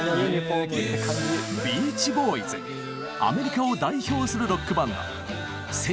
アメリカを代表するロックバンド。